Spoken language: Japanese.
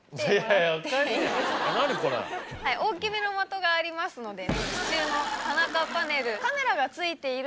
大きめの的がありますので。